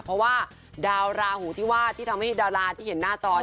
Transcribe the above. เพราะว่าดาวราหูที่ว่าที่ทำให้ดาราที่เห็นหน้าจอ